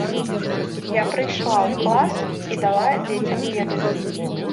Я прыйшла ў клас і дала дзецям веды.